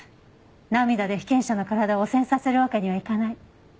涙で被験者の体を汚染させるわけにはいかない。